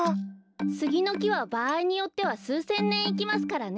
スギのきはばあいによってはすうせんねんいきますからね。